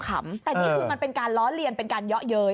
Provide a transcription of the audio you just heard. แต่นี่คือมันเป็นการล้อเลียนเป็นการเยาะเย้ย